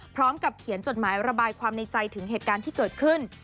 พร้อมกับเขียนจดหมายระบายความในใจถึงเหตุการณ์ที่เกิดขึ้น